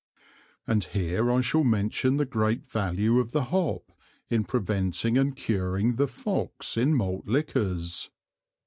And here I shall mention the great Value of the Hop in preventing and curing the Fox in Malt Liquors.